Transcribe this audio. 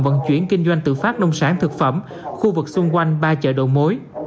vận chuyển kinh doanh tự phát nông sản thực phẩm khu vực xung quanh ba chợ đầu mối